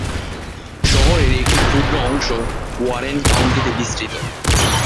শহরের একটি ক্ষুদ্র অংশ ওয়ারেন কাউন্টিতে বিস্তৃত।